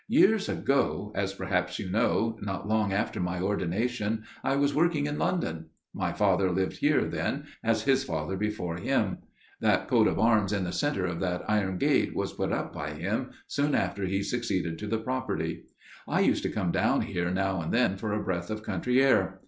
"Years ago, as perhaps you know, not long after my ordination I was working in London. My father lived here then, as his father before him. That coat of arms in the centre of that iron gate was put up by him soon after he succeeded to the property. I used to come down here now and then for a breath of country air.